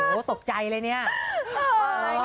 โหตกใจเลยเนี้ย